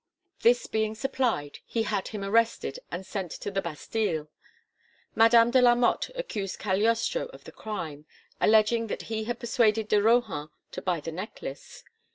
This being supplied, he had him arrested and sent to the Bastille. Madame de la Motte accused Cagliostro of the crime, alleging that he had persuaded de Rohan to buy the necklace.